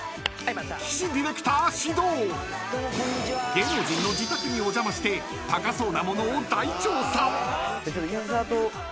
［芸能人の自宅にお邪魔して高そうなものを大調査］